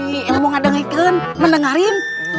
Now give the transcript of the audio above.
ilmu ngedengikin mendengarin